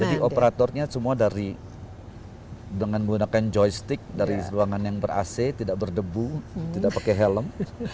jadi operatornya semua dari dengan menggunakan joystick dari ruangan yang ber ac tidak berdebu tidak pakai helm